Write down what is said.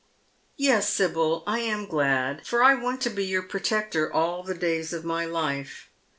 " Yes, Sibyl, I am glad, for I want to be your protector all the days of my life.